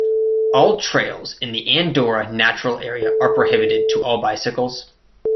All trails in the Andorra Natural Area are prohibited to all bicycles.